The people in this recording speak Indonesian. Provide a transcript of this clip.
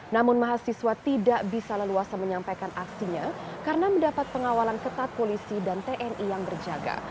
namun mahasiswa tidak bisa leluasa menyampaikan aksinya karena mendapat pengawalan ketat polisi dan tni yang berjaga